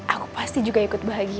aku pasti juga ikut bahagia